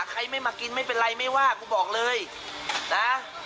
ใครไม่มากินไม่เป็นไรไม่ว่ากูบอกเลยนะ